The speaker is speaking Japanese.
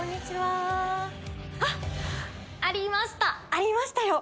ありましたよ！